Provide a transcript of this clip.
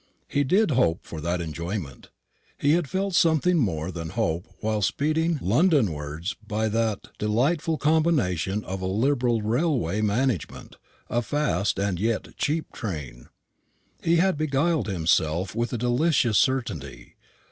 He did hope for that enjoyment. He had felt something more than hope while speeding Londonwards by that delightful combination of a liberal railway management, a fast and yet cheap train. He had beguiled himself with a delicious certainty.